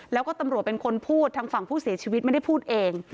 แล้วก็ตำรวจเป็นคนพูดทางฝั่งผู้เสียชีวิตไม่ได้พูดเอง